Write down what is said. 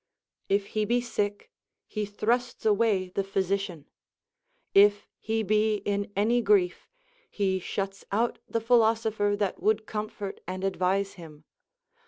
If he be sick, he thrusts away the physician ; if he be in any grief, he shuts out the philoso pher that would comfort and advise him.